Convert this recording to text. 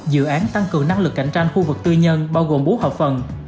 dự án tăng cường năng lực cạnh tranh khu vực tư nhân bao gồm bốn hợp phần